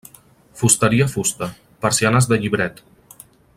Fusteria fusta, persianes de llibret.